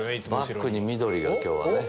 バックに緑が今日はね。